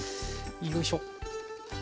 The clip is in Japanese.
よいしょ。